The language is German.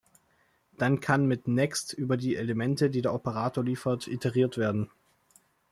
Dann kann mit "Next" über die Elemente, die der Operator liefert, iteriert werden.